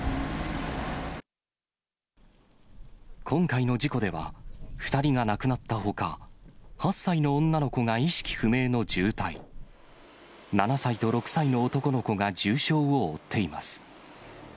今回の事故では、２人が亡くなったほか、８歳の女の子が意識不明の重体、７歳と６歳の男の子が重傷を負っています。